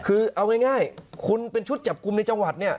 คือเอาง่ายคุณเป็นชุดจับกลุ่มในจังหวัดเนี่ย